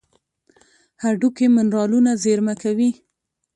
هډوکي منرالونه زیرمه کوي.